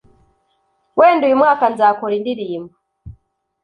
‘wenda uyu mwaka nzakora indirimbo